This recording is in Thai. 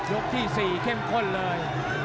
ยกที่๔เข้มข้นเลย